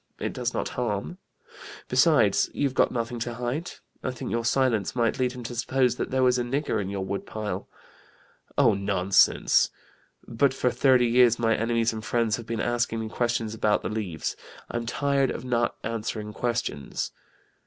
It does not harm. Besides, you've got nothing to hide. I think your silence might lead him to suppose there was a nigger in your wood pile.' 'Oh, nonsense! But for thirty years my enemies and friends have been asking me questions about the Leaves: I'm tired of not answering questions.'